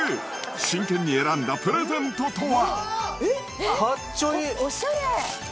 真剣に選んだプレゼントとは？